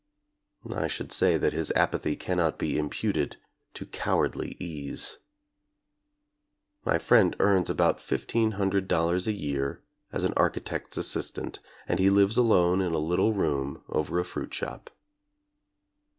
I should say that his apathy cannot be imputed to cowardly ease. My friend earns about fifteen hundred dollars a year as an archi tect's assistant, and he lives alone in a little room over a fruitshop.